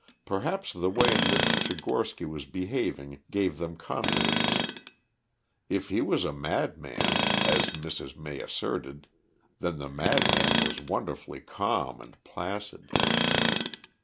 Perhaps the way in which Tchigorsky was behaving gave them confidence. If he was a madman, as Mrs. May asserted, then the madman was wonderfully calm and placid.